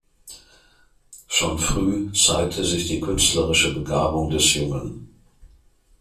Schon früh zeigte sich die künstlerische Begabung des Jungen.